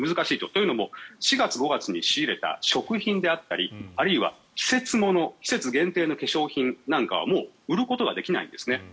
というのも４月５月に仕入れた食品であったりあるいは季節物季節限定の化粧品なんかはもう売ることができないんですね。